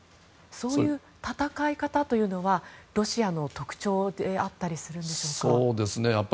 そういう戦い方というのはロシアの特徴であったりするんでしょうか。